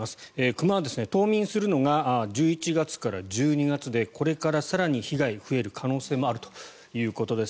熊は冬眠するのが１１月から１２月でこれから更に被害が増える可能性もあるということです。